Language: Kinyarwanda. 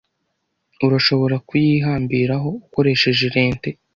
Urashobora kuyihambiraho akoresheje lente?